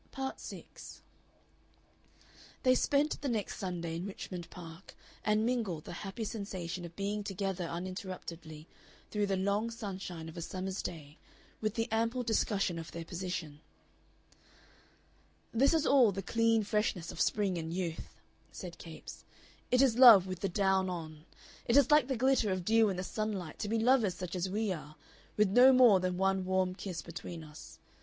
Part 6 They spent the next Sunday in Richmond Park, and mingled the happy sensation of being together uninterruptedly through the long sunshine of a summer's day with the ample discussion of their position. "This has all the clean freshness of spring and youth," said Capes; "it is love with the down on; it is like the glitter of dew in the sunlight to be lovers such as we are, with no more than one warm kiss between us.